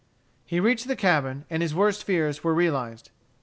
He reached the cabin, and his worst fears were realized.